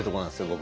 僕。